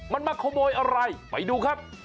มันมาขโมยอะไรไปดูครับ